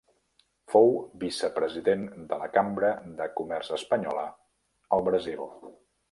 Fou vicepresident de la Cambra de Comerç Espanyola al Brasil.